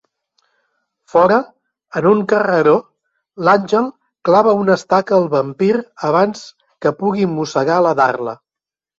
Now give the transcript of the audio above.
Fora, en un carreró, l'Àngel clava una estaca al vampir abans que pugui mossegar la Darla.